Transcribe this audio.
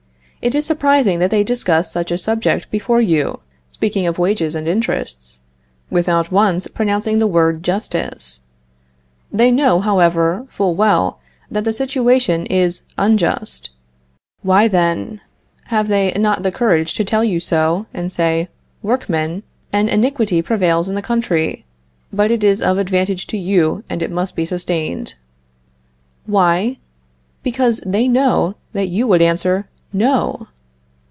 It is surprising that they discuss such a subject before you, speaking of wages and interests, without once pronouncing the word justice. They know, however, full well that the situation is unjust. Why, then, have they not the courage to tell you so, and say, "Workmen, an iniquity prevails in the country, but it is of advantage to you and it must be sustained." Why? Because they know that you would answer, No.